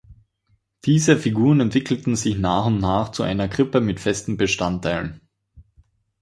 Diese Figuren entwickelten sich nach und nach zu einer Krippe mit festen Bestandteilen.